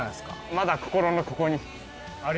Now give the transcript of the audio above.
まだ心のここに。